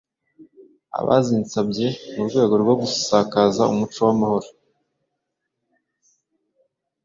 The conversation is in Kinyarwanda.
abazinsabye mu rwego rwo gusakaza umuco w’amahoro.